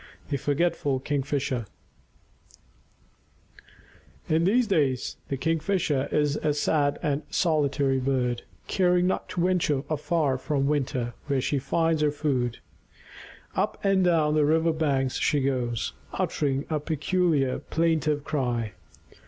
THE FORGETFUL KINGFISHER In these days the Kingfisher is a sad and solitary bird, caring not to venture far from the water where she finds her food. Up and down the river banks she goes, uttering a peculiar plaintive cry.